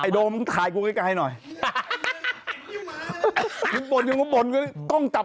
เฉียบมาสวัสดีที่แบบนั้นนะครับ